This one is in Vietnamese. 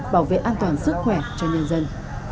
bảo vệ an toàn sức khỏe cho nhân dân